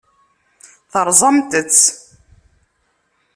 Terẓamt-tt.